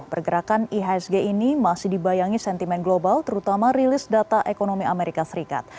pergerakan ihsg ini masih dibayangi sentimen global terutama rilis data ekonomi amerika serikat